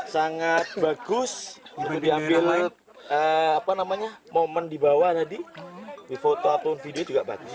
sangat bagus diambil momen di bawah tadi di foto atau video juga bagus